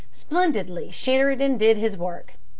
Splendidly Sheridan did his work.